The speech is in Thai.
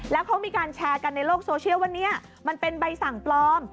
แล้วเขามีการแชร์กันในโลกโซเชียลว่าเนี่ยมันเป็นใบสั่งปลอม